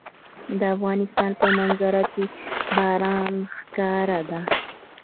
د افغانستان په منظره کې باران ښکاره ده.